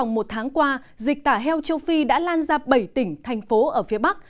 một tháng qua dịch tả heo châu phi đã lan ra bảy tỉnh thành phố ở phía bắc